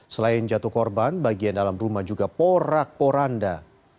selain jatuh korban bagian dalam rumah juga porak poranda